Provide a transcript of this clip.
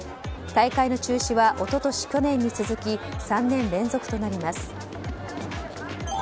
大会の中止は一昨年、去年に続き３年連続となります。